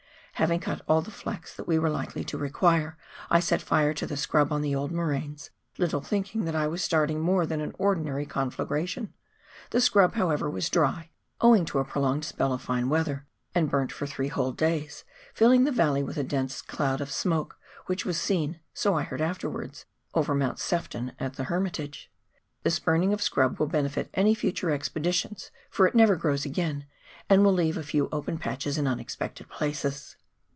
Having cut all the flax that we were likely to require, I set fire to the scrub on the old moraines, little thinking that I was starting more than an ordinary conflagration ; the scrub, how ever, was dry, owing to a prolonged spell of fine weather, and burnt for three whole days, filling the valley with a dense cloud of smoke, which was seen — so I heard afterwards — over Mount Sefton at the Hermitage. This burning of scrub will benefit any future expeditions, for it never grows again, and will leave a few open patches in unexpected places.